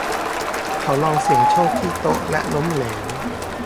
เขาลองเสี่ยงโชคที่โต๊ะและล้มเหลว